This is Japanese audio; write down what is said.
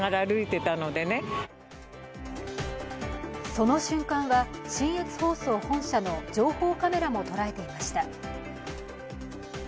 その瞬間は信越放送本社の情報カメラも捉えていました。